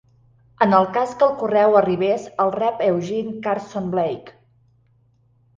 En el cas que el correu arribés al Revd Eugene Carson Blake.